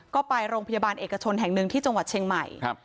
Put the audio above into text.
ก็ไปโรงพยาบาลเอกชนแห่งหนึ่งที่จังหวัดเชียงใหม่ครับ